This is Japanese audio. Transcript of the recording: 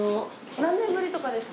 何年ぶりとかですか？